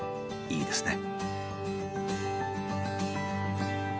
いいですね。